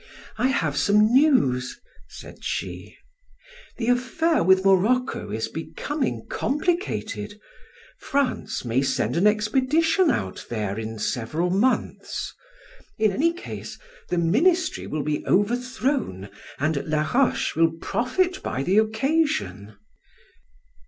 "I have some news," said she. "The affair with Morocco is becoming complicated. France may send an expedition out there in several months. In any case the ministry will be overthrown and Laroche will profit by the occasion."